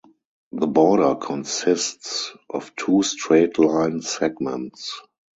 The border consists of two straight line segments.